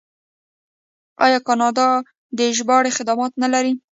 آیا کاناډا د ژباړې خدمات نلري؟